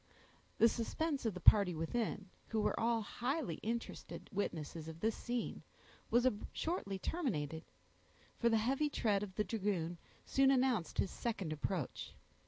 The suspense of the party within, who were all highly interested witnesses of this scene, was shortly terminated: for the heavy tread of the dragoon soon announced his second approach.